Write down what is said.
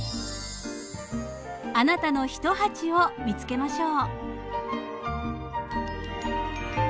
あなたのひと鉢を見つけましょう！